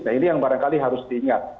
nah ini yang barangkali harus diingat